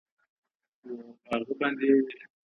ابن خلدون دا ټينګار کوي.